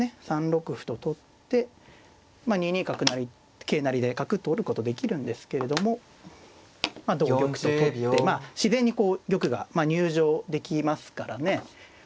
３六歩と取って２二桂成で角取ることできるんですけれども同玉と取ってまあ自然にこう玉が入城できますからね。